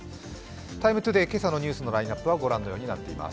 「ＴＩＭＥ，ＴＯＤＡＹ」けさのニュースのラインナップはこのようになっています。